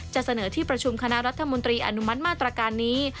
เสนอที่ประชุมคณะรัฐมนตรีอนุมัติมาตรการนี้